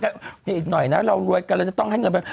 เพียงนาวเราต้องให้เงิน